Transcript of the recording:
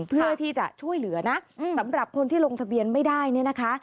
เพื่อที่จะช่วยเหลือนะสำหรับคนที่ลงทะเบียนไม่ได้เนี่ยนะคะ